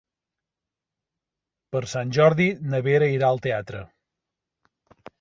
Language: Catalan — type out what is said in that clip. Per Sant Jordi na Vera irà al teatre.